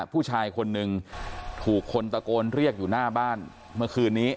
ผู้ชายคนหนึ่งถูกคนตะโกนเรียกอยู่หน้าบ้านเมื่อคืนนี้